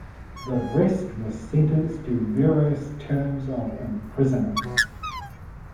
The rest were sentenced to various terms of imprisonment.